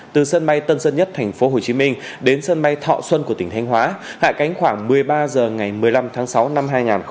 từ sân bay tân sơn nhất tp hồ chí minh đến sân bay thọ xuân của tỉnh thanh hóa hạ cánh khoảng một mươi ba h ngày một mươi năm tháng sáu năm hai nghìn hai mươi một